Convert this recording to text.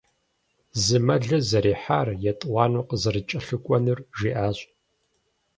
Зы мэлыр зэрихьар, етӀуанэм къызэрыкӀэлъыкӀуэнур жиӀащ.